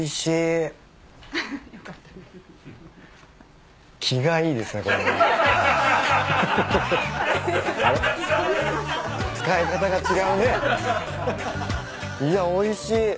いやおいしい。